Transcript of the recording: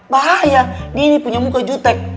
bahaya dia ini punya muka jutek